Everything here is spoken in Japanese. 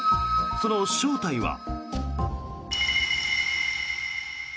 その正体は。